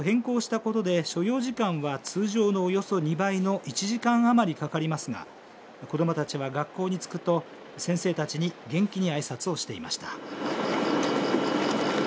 ルートを変更したことで所要時間は通常のおよそ２倍の１時間余りかかりますが子どもたちは学校に着くと先生たちに元気にあいさつをしていました。